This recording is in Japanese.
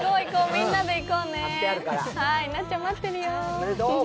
みんなで行こうねなっちゃん、待ってるよ。